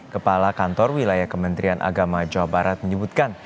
kepala kantor wilayah kementerian agama jawa barat menyebutkan